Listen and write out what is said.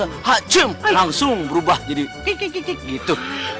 iya jadi kalau langsung berubah jadi gitu